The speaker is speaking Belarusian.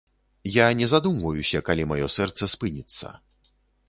Я не задумваюся, калі маё сэрца спыніцца.